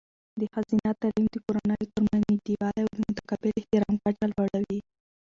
د ښځینه تعلیم د کورنیو ترمنځ نږدېوالی او د متقابل احترام کچه لوړوي.